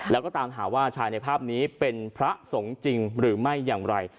แล้วก็ตามหาว่าชายในภาพนี้เป็นพระสงฆ์จริงหรือไม่อย่างไร